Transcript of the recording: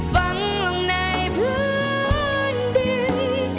ฟังลงในพื้นดิน